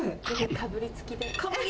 かぶりつきで？